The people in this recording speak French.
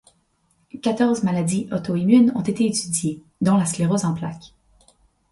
Quatorze maladies auto immunes ont été étudiées, dont la sclérose en plaques.